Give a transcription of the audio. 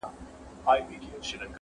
له خپله نظمه امېلونه جوړ کړم،